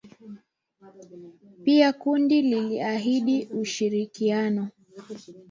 Pia kundi liliahidi ushirikiano